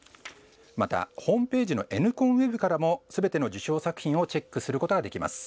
また、ホームページのＮコンＷＥＢからもすべての受賞作品をチェックすることができます。